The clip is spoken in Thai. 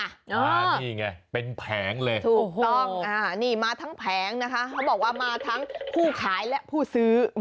นี่ไงเป็นแผงเลยถูกต้องนี่มาทั้งแผงนะคะเขาบอกว่ามาทั้งผู้ขายและผู้ซื้อ